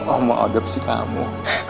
om mau adopsi kamu